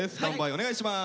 お願いします。